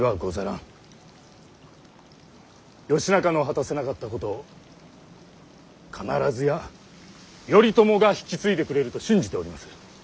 義仲の果たせなかったこと必ずや頼朝が引き継いでくれると信じております。